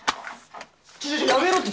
ちょちょっやめろって！